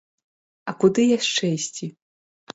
А куды яшчэ ісці?